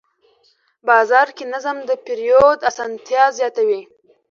بازار کې نظم د پیرود اسانتیا زیاتوي